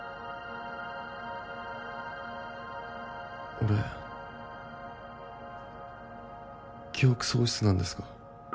俺記憶喪失なんですか？